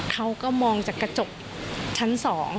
เขาก็มองจากกระจกชั้น๒